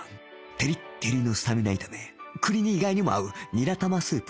テリッテリのスタミナ炒め栗に意外にも合うニラ玉スープ